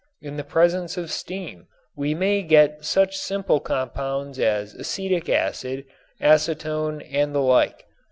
In the presence of steam we may get such simple compounds as acetic acid, acetone and the like.